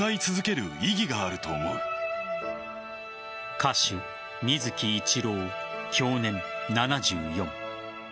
歌手・水木一郎享年７４。